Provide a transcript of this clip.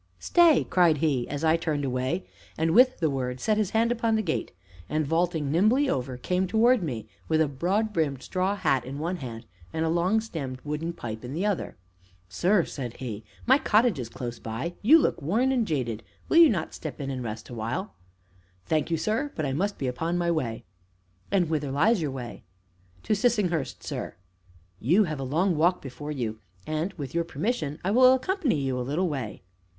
"Stay!" cried he as I turned away, and, with the word, set his hand upon the gate, and, vaulting nimbly over, came towards me, with a broad brimmed straw hat in one hand and a long stemmed wooden pipe in the other. "Sir," said he, "my cottage is close by; you look worn and jaded. Will you not step in and rest awhile?" "Thank you, sir; but I must be upon my way." "And whither lies your way?" "To Sissinghurst, sir." "You have a long walk before you, and, with your permission, I will accompany you a little way."